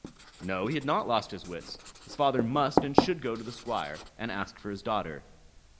No! he had not lost his wits, his father must and should go to the Squire, and ask for his daughter.